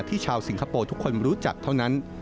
ชาวสิงคโปร์ทุกคนรู้จักเท่านั้น